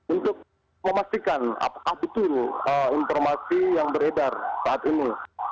untuk memastikan apakah betul informasi yang beredar saat ini